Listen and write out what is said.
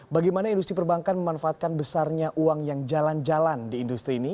bagaimana industri perbankan memanfaatkan besarnya uang yang jalan jalan di industri ini